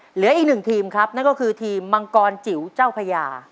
เหลืออีกหนึ่งทีมครับนั่นก็คือทีมมังกรจิ๋วเจ้าพญา